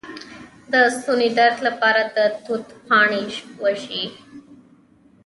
د ستوني درد لپاره د توت پاڼې وژويئ